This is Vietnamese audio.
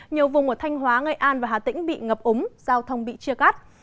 nhiều vùng ở thanh hóa nghệ an và hà tĩnh bị ngập ống giao thông bị chia cắt